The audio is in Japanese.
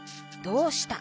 「どうした」？